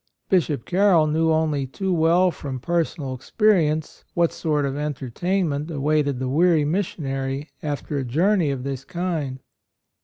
Bishop Carroll knew only too well from per sonal experience what sort of entertainment awaited the weary missionary after a jour ney of this kind.